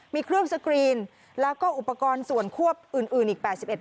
มีเครื่องสกรีนแล้วก็อุปกรณ์ส่วนควบอื่นอื่นอีกแปดสิบเอ็ด